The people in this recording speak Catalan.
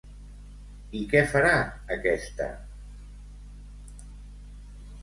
I què farà aquesta?